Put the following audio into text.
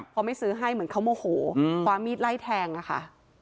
พอไม่ซื้อให้เหมือนเขาโมโหคว้ามีดไล่แทงอะค่ะ